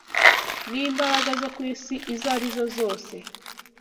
n’imbaraga zo ku isi izo ari zo zose.